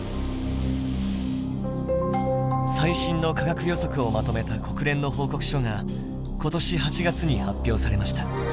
最新の科学予測をまとめた国連の報告書が今年８月に発表されました。